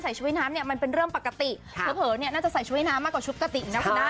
ใส่ชุดวิมิติมันเป็นเรื่องปกติเผินน่าจะใส่ชุดวิมิติมากกว่าชุดกะตินักคุณนะ